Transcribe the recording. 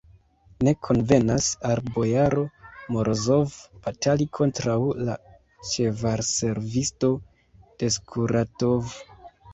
Ne konvenas al bojaro Morozov batali kontraŭ la ĉevalservisto de Skuratov!